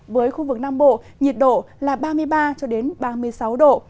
với khu vực nam bộ nhiệt độ là ba mươi ba ba mươi sáu độ